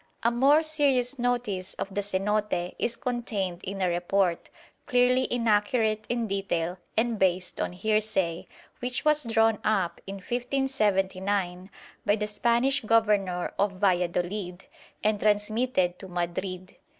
A more serious notice of the cenote is contained in a report, clearly inaccurate in detail and based on hearsay, which was drawn up in 1579 by the Spanish Governor of Valladolid and transmitted to Madrid.